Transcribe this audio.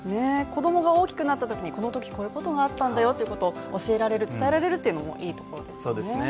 子供が大きくなったときに、このときこういうことがあったんだよと教えられる、伝えられるっていうのもいいところですね。